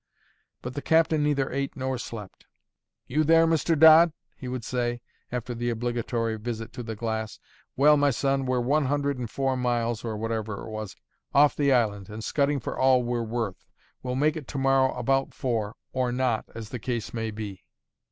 But the captain neither ate nor slept. "You there, Mr. Dodd?" he would say, after the obligatory visit to the glass. "Well, my son, we're one hundred and four miles" (or whatever it was) "off the island, and scudding for all we're worth. We'll make it to morrow about four, or not, as the case may be.